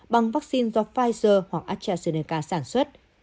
bằng vaccine do pfizer hoặc astrazeneca sản xuất